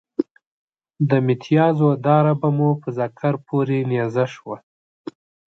د متیازو داره به مو په ذکر پورې نیزه شوه.